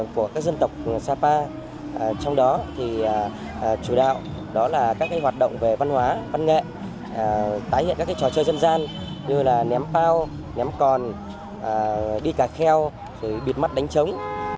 của các dân tộc sapa trong đó thì chủ đạo đó là các hoạt động về văn hóa văn nghệ tái hiện các trò chơi dân gian như là ném bao ném còn đi cà kheo rồi bịt mắt đánh trống